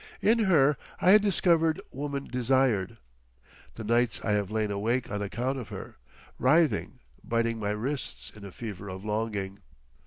In her I had discovered woman desired. The nights I have lain awake on account of her, writhing, biting my wrists in a fever of longing!